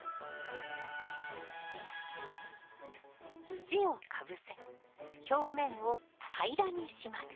土をかぶせ表面を平らにします